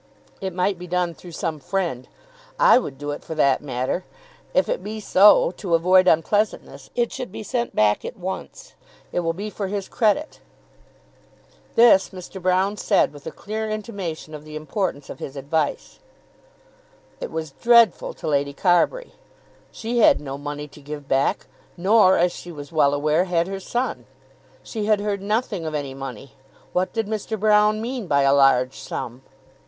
It might be done through some friend. I would do it for that matter. If it be so, to avoid unpleasantness, it should be sent back at once. It will be for his credit." This Mr. Broune said with a clear intimation of the importance of his advice. It was dreadful to Lady Carbury. She had no money to give back, nor, as she was well aware, had her son. She had heard nothing of any money. What did Mr. Broune mean by a large sum?